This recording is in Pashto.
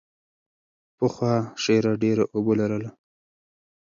پخوا شیره ډېره اوبه لرله.